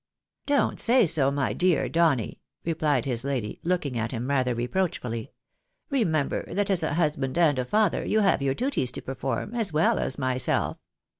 " Don't say so, my dear Donny," replied his lady, looking at him rather reproachfully. " Kemember, that as a husband and a father, you have your duties to perform, as well as myself.